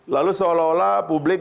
lalu seolah olah publik